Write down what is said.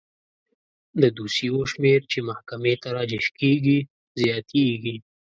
د دوسیو شمیر چې محکمې ته راجع کیږي زیاتیږي.